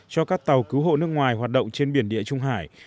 cho các tàu cứu hộ nước ngoài hoạt động trên biển địa trung hải